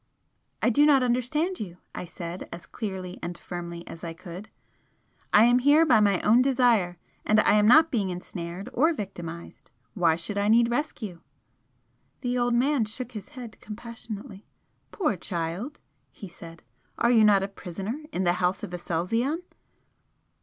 "I do not understand you" I said, as clearly and firmly as I could "I am here by my own desire, and I am not being ensnared or victimised. Why should I need rescue?" The old man shook his head compassionately. "Poor child!" he said "Are you not a prisoner in the House of Aselzion?"